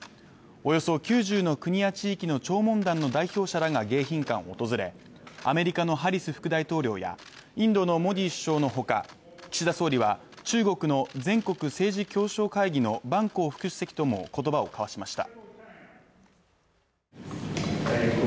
およそ９０の国や地域の弔問団の代表者らが迎賓館を訪れアメリカのハリス副大統領やインドのモディ首相のほか、岸田総理は中国の全国政治協商会議の万鋼副主席とも言葉を交わしました。